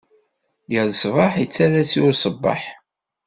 Yal ṣṣbeḥ, yettarra-tt i usebbeḥ.